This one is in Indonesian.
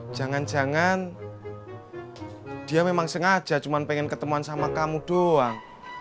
jangan jangan dia memang sengaja cuma pengen ketemuan sama kamu doang